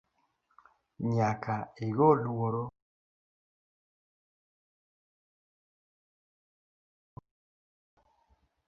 Nyaka igo luoro ka idwaro kedo koda ji kaka Kifuja.